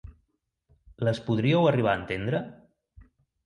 Les podríeu arribar a entendre?